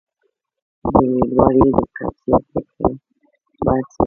د امیدوارۍ د قبضیت لپاره باید څه وکړم؟